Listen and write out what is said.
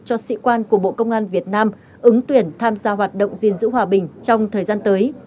cho sĩ quan của bộ công an việt nam ứng tuyển tham gia hoạt động gìn giữ hòa bình trong thời gian tới